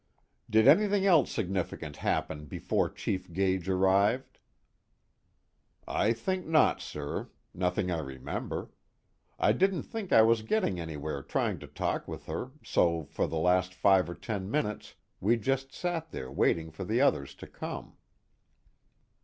"Did anything else significant happen before Chief Gage arrived?" "I think not, sir. Nothing I remember. I didn't think I was getting anywhere trying to talk with her, so for the last five or ten minutes we just sat there waiting for the others to come."